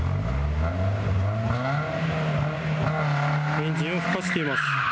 エンジンをふかしています。